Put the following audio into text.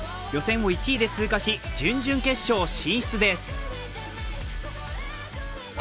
予選を１位で通過し準々決勝進出です。